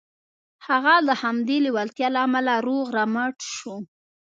هغه د همدې لېوالتیا له امله روغ رمټ شو